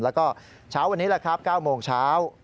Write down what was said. แล้วก็เช้าวันนี้แหละครับ๙โมงเช้า